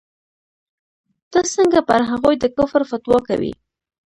ته څنگه پر هغوى د کفر فتوا کوې.